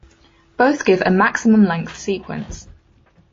Both give a maximum-length sequence.